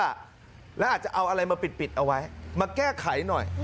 แล้วอาจจะเอาอะไรมาปิดเอาไว้มาแก้ไขหน่อย